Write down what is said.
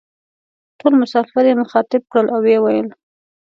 ټول مسافر یې مخاطب کړل او وې ویل: